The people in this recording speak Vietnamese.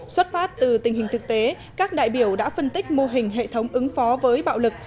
xuất phát từ tình hình thực tế các đại biểu đã phân tích mô hình hệ thống ứng phó với bạo lực